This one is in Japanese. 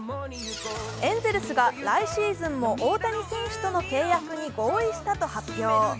エンゼルスが来シーズンも大谷選手との契約に合意したと発表。